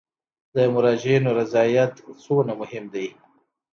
د مراجعینو رضایت څومره مهم دی؟